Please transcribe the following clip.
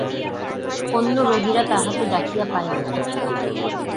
অন্য রোগীরা তাহাকে ডাকিয়া পায় না।